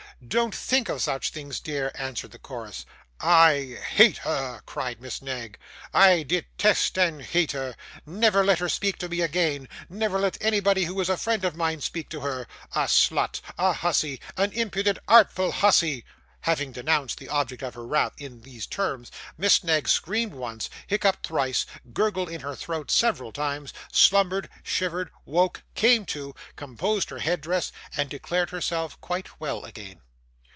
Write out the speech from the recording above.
'Don't think of such things, dear,' answered the chorus. 'I hate her,' cried Miss Knag; 'I detest and hate her. Never let her speak to me again; never let anybody who is a friend of mine speak to her; a slut, a hussy, an impudent artful hussy!' Having denounced the object of her wrath, in these terms, Miss Knag screamed once, hiccuped thrice, gurgled in her throat several times, slumbered, shivered, woke, came to, composed her head dress, and declared herself quite well again.